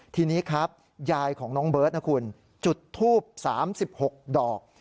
ทีนี้ครับยายของน้องเบิร์ตนะคุณจุดทูบ๓๖ดอก